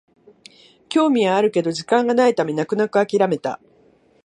興味はあるけど時間がないため泣く泣くあきらめた